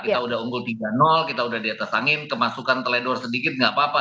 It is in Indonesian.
kita udah unggul tiga kita udah di atas angin kemasukan teledor sedikit nggak apa apa